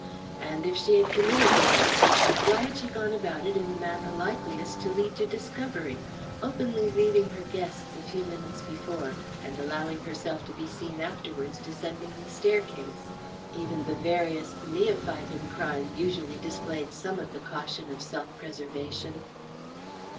And, if she had committed the murder, why had she gone about it in the manner likeliest to lead to discovery, openly leaving her guests a few minutes before, and allowing herself to be seen afterwards descending the staircase? Even the veriest neophyte in crime usually displayed some of the caution of self preservation.